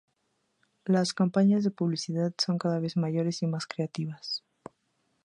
Las campañas de publicidad son cada vez mayores y más creativas.